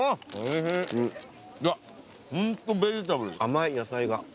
甘い野菜が。